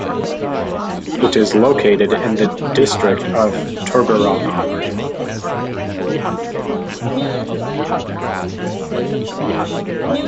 It is located in the district of Tuggeranong.